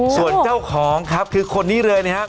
ส่วนเจ้าของครับคือคนนี้เลยนะครับ